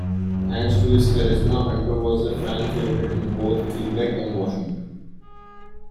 Thanks to his charisma, Hunter was a fan favourite in both Quebec and Washington.